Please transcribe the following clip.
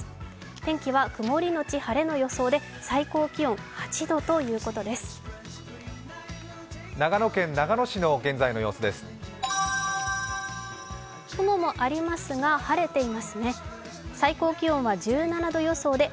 天気は曇りのち晴れの予想で最高気温８度の予想です。